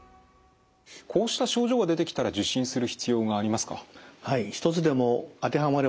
こうした症状が出てきたら受診する必要がありますか？